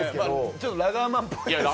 ちょっとラガーマンっぽいですしね。